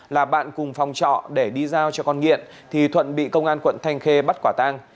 là bạn cùng phòng trọ để đi giao cho con nghiện thì thuận bị công an quận thanh khê bắt quả tang